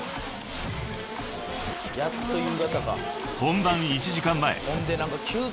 ［本番１時間前］